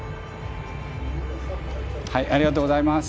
ありがとうございます。